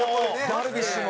ダルビッシュも。